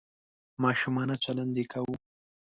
ماشومانه چلند یې کاوه .